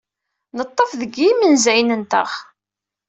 Neḍḍef deg yimenzayen-nteɣ.